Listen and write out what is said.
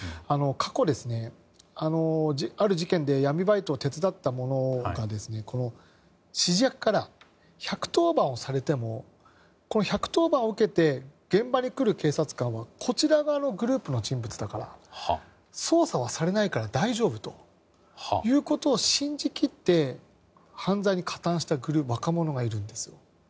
過去、ある事件で闇バイトを手伝った者が指示役から、１１０番をされても１１０番を受けて現場に来る警察官はこちら側のグループの人物だから捜査はされないから大丈夫ということを信じ切って犯罪に加担した若者がいるんです。